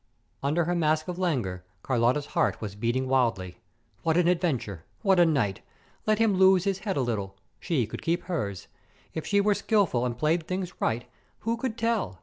Under her mask of languor, Carlotta's heart was beating wildly. What an adventure! What a night! Let him lose his head a little; she could keep hers. If she were skillful and played things right, who could tell?